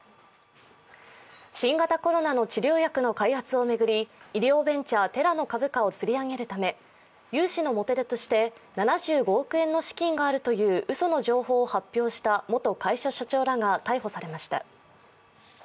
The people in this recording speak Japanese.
新型コロナの治療薬の開発を巡り、医療ベンチャー・テラの株価を釣り上げるため、融資の手元として７５億円の資金があるといううその情報を発表した元会社社長らが逮捕されました。